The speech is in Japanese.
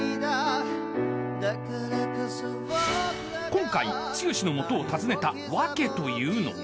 ［今回剛の元を訪ねた訳というのが］